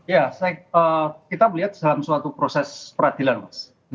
ya kita melihat dalam suatu proses peradilan mas